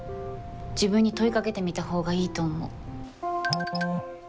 自分に問いかけてみたほうがいいと思う。